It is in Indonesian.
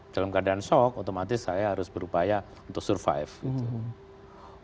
dalam keadaan shock otomatis saya harus berupaya untuk survive gitu